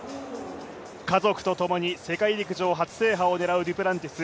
家族とともに世界陸上初制覇を狙うデュプランティス。